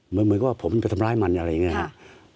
เหมือนกับผมไปทำร้ายมันอะไรอย่างนี้ครับ